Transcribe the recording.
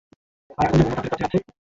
আর এখন যে বোমা তাদের কাছে আছে।